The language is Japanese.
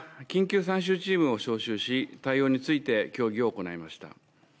また緊急参集チームを招集し、対応について協議を行いました。